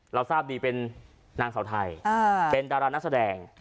เราทราบดีเป็นนางสาวไทยเป็นดารานักแสดง